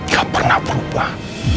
gak pernah berubah